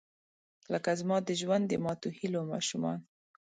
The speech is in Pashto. لکه زما د ژوند، د ماتوهیلو ماشومان